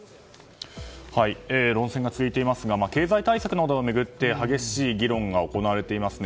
論戦が続いていますが経済対策などを巡って激しい議論が行われていますね。